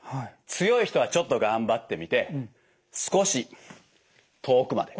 強い人はちょっと頑張ってみて少し遠くまで。